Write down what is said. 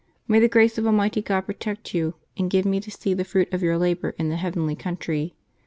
May the grace of Almighty God protect you, and give me to see the fruit of your labor in the heavenly country